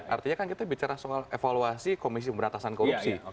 artinya kan kita bicara soal evaluasi komisi pemberantasan korupsi